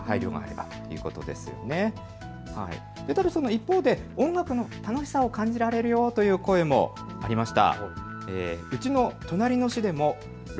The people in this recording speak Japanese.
一方で音楽の楽しさを感じられるよという声もありました。